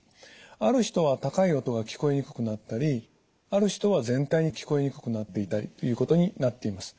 ある人は高い音が聞こえにくくなったりある人は全体に聞こえにくくなっていたりということになっています。